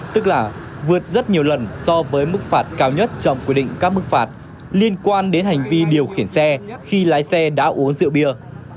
tức là vượt rất nhiều lần so với mức phạt cao nhất trong quy định các mức phạt liên quan đến hành vi điều khiển xe khi lái xe đã uống rượu bia